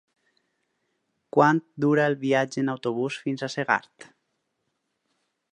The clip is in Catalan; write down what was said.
Quant dura el viatge en autobús fins a Segart?